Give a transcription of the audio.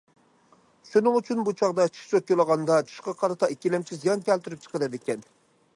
شۇنىڭ ئۈچۈن بۇ چاغدا چىش چوتكىلىغاندا چىشقا قارىتا ئىككىلەمچى زىيان كەلتۈرۈپ چىقىرىدىكەن.